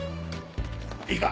いいか？